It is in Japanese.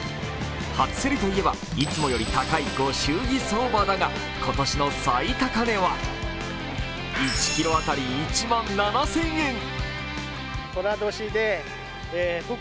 初競りといえば、いつもより高いご祝儀相場だが今年の最高値は１ｋｇあたり１万７０００円。